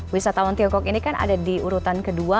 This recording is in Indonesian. wisatawan tiongkok ini kan ada di urutan kedua